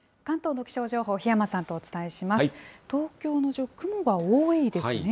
関東の気象情報、檜山さんとお伝えします。